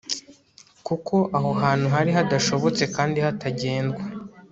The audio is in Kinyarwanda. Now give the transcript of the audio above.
kuko aho hantu hari hadashobotse kandi hatagendwa